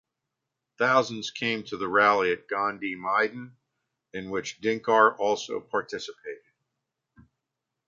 Thousands came to the rally at Gandhi Maidan in which Dinkar also participated.